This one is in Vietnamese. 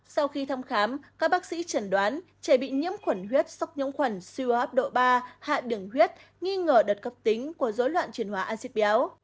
sau khi thăm khám các bác sĩ chẩn đoán trẻ bị nhiễm khuẩn huyết sốc nhiễm khuẩn siêu hấp độ ba hạ đường huyết nghi ngờ đợt cấp tính của dối loạn chuyển hóa acid béo